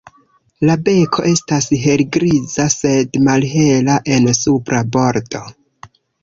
La beko estas helgriza, sed malhela en supra bordo.